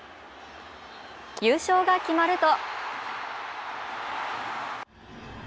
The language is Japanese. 優勝が決まると。